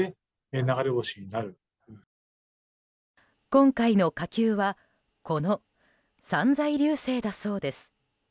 今回の火球はこの散在流星だそうです。